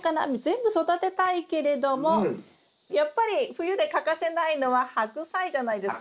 全部育てたいけれどもやっぱり冬で欠かせないのはハクサイじゃないですかね。